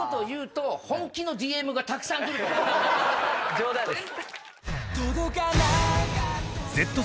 冗談です。